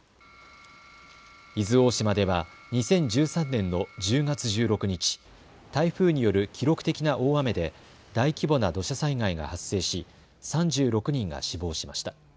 伊豆大島では２０１３年の１０月１６日、台風による記録的な大雨で大規模な土砂災害が発生し３６人が死亡しました。